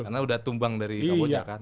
karena udah tumbang dari kamboja kan